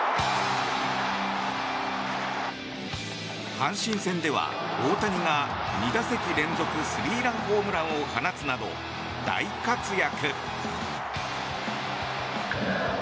阪神戦では大谷が２打席連続スリーランホームランを放つなど大活躍。